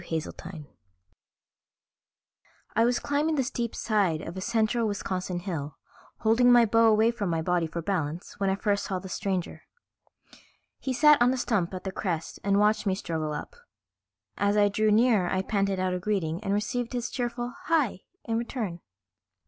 Haseltine_ I was climbing the steep side of a central Wisconsin hill, holding my bow away from my body for balance, when I first saw the stranger. He sat on a stump at the crest and watched me struggle up. As I drew nearer I panted out a greeting and received his cheerful "Hi" in return.